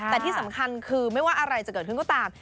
แต่ที่สำคัญคือไม่ว่าอะไรจะเกิดขึ้นก็ตาม